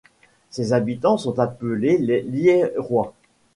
Ses habitants sont appelés les Liérois.